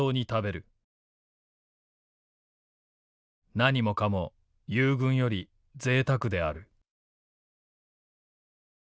「何もかも友軍よりぜいたくである」。